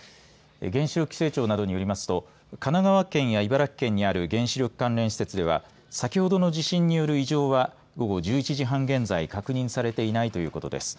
原子力規制庁などによりますと神奈川県や茨城県にある原子力関連施設では先ほどの地震による異常は午後１１時半現在、確認されていないということです。